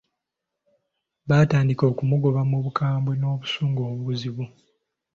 Baatandika okumugoba mu bukambwe n'obusungu obuzibu!